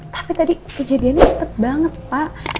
tapi tadi kejadiannya cepet banget pak